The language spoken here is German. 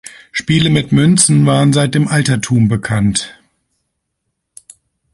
Spiele mit Münzen waren seit dem Altertum bekannt.